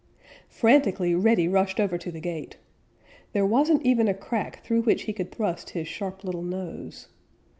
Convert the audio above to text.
Frantically Reddy rushed over to the gate. There wasn't even a crack through which he could thrust his sharp little nose.